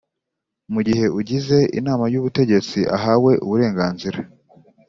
Mu gihe ugize inama y’ubutegetsi ahawe uburenganzira